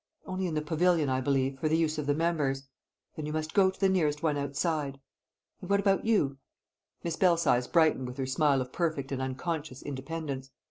"Only in the pavilion, I believe, for the use of the members." "Then you must go to the nearest one outside." "And what about you?" Miss Belsize brightened with her smile of perfect and unconscious independence.